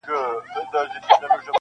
خلګ وایې شعر دی زه وام نه د زړو خبري دي,